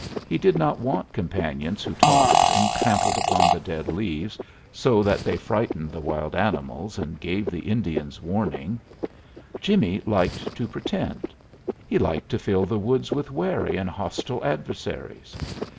He did not want companions who talked, and trampled upon the dead leaves so that they frightened the wild animals and gave the Indians warning. Jimmie liked to pretend. He liked to fill the woods with wary and hostile adversaries.